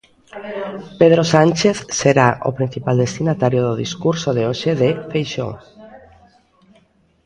Pedro Sánchez será o principal destinatario do discurso de hoxe de Feixóo.